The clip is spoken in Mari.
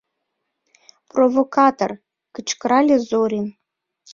— Провокатор! — кычкырале Зорин.